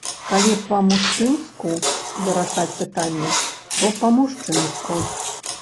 Калі па-мужчынску вырашаць пытанне, то па-мужчынску.